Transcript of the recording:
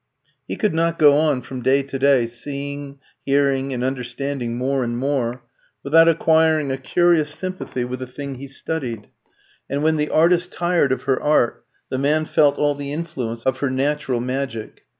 He could not go on from day to day, seeing, hearing, and understanding more and more, without acquiring a curious sympathy with the thing he studied. And when the artist tired of her art, the man felt all the influence of her natural magic.